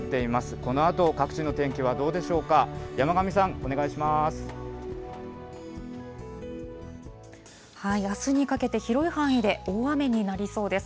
このあと、各地の天気はどうでしょうか、山神さん。あすにかけて広い範囲で大雨になりそうです。